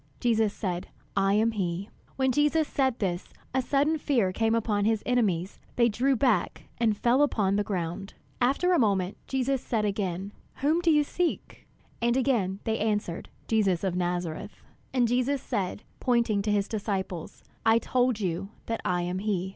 Jesus said, "I am he." When Jesus said this, a sudden fear came upon his enemies; they drew back and fell upon the ground. After a moment, Jesus said again, "Whom do you seek?" And again they answered, "Jesus of Nazareth." And Jesus said, pointing to his disciples, "I told you that I am he.